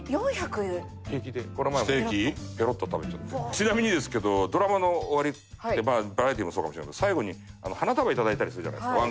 ちなみにですけどドラマの終わりってバラエティーもそうかもしれないけど最後に花束頂いたりするじゃないですか１